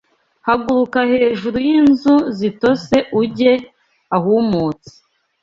Haguruka hejuru y'inzu zitose ujye ahumutse